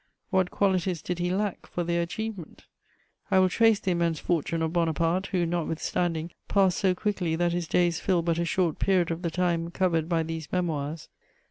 What qualities did he lack for their achievement? I will trace the immense fortune of Bonaparte, who, notwithstanding, passed so quickly that his days fill but a short period of the time covered by these Memoirs.